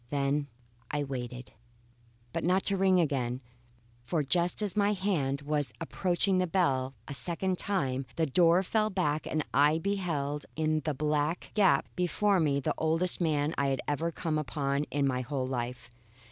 Then I waited. But not to ring again; for just as my hand was approaching the bell a second time, the door fell back and I beheld in the black gap before me the oldest man I had ever come upon in my whole life.